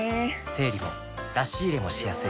整理も出し入れもしやすい